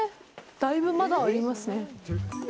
だいぶまだありますね。